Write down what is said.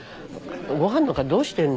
ご飯とかどうしてんの？